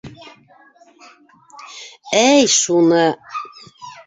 Әйй, шуны!